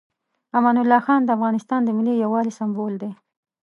امان الله خان د افغانستان د ملي یووالي سمبول دی.